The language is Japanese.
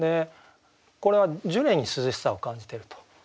これはジュレに涼しさを感じてると。